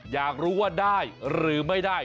อยากรู้ว่าได้หรือไม่ได้